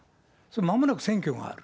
まもなく選挙がある。